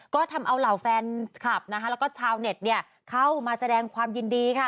ก็ทำเอาเหล่าแฟนคลับและชาวเน็ตเข้ามาแสดงความยินดีค่ะ